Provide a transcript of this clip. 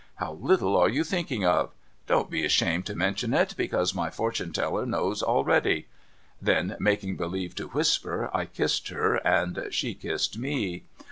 How little are you thinking of? Don't be ashamed to mention it, because my fortune teller knows already.' (Then making believe to whisper, I kissed her, and she kissed me.)